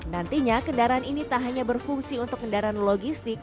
nantinya kendaraan ini tak hanya berfungsi untuk kendaraan logistik